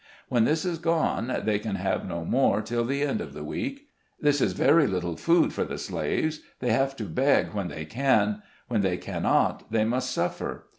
When this is gone, they can have no more till the end of the week. This is very little food for the slaves. They have to beg when they can; when they cannot, they must suffer.